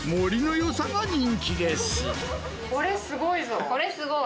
これ、すごいぞ！